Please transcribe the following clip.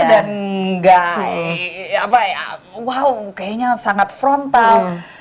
dan kayaknya sangat frontal